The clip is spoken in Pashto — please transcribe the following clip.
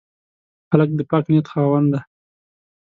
هلک د پاک نیت خاوند دی.